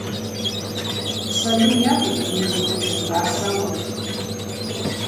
Сальым йакӏвызтын йызгъычыз дгӏасауаштӏ.